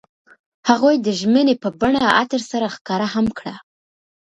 هغوی د ژمنې په بڼه عطر سره ښکاره هم کړه.